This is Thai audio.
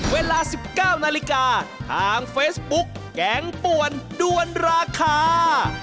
เวลา๑๙นาฬิกาทางเฟซบุ๊กแกงป่วนด้วนราคา